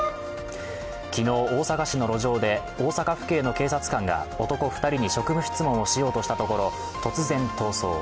昨日、大阪市の路上で、大阪府警の警察官が男２人に職務質問をしようとしたところ突然逃走。